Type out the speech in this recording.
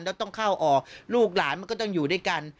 แล้วต้องเข้าออกลูกหลานมันก็ต้องอยู่ด้วยกัน